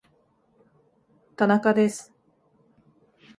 田中です